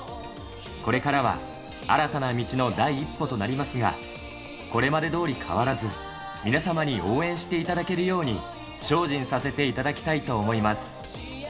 これからは、新たな道の第一歩となりますが、これまでどおり変わらず、皆様に応援していただけるように、精進させていただきたいと思います。